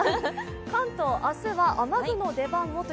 関東、明日は雨具の出番もと。